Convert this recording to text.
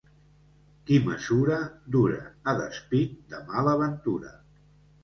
Qui mesura, dura, a despit de mala ventura.